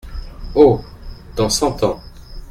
Oh ! dans cent ans …!